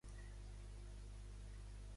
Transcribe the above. Què considera Rovira que seria una inconsciència?